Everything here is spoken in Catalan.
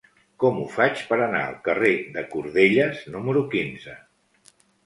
Com ho faig per anar al carrer de Cordelles número quinze?